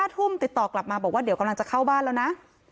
๕ทุ่มติดต่อกลับมาบอกว่าเดี๋ยวกำลังจะเข้าบ้านแล้วนะ